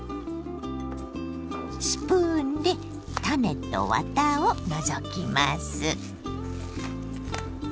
スプーンで種とワタを除きます。